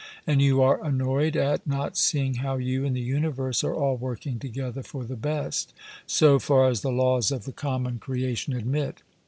And you are annoyed at not seeing how you and the universe are all working together for the best, so far as the laws of the common creation admit.